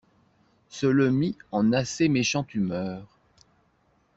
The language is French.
Ce le mit en assez méchante humeur.